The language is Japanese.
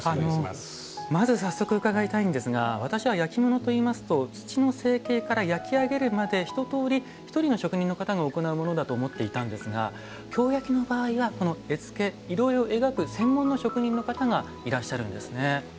まず早速伺いたいんですが私は焼き物といいますと土の成形から焼き上げるまで一とおり１人の職人の方が行うものだと思っていたんですが京焼の場合はこの絵付け色絵を描く専門の職人の方がいらっしゃるんですね。